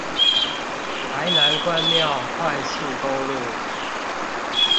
台南關廟快速公路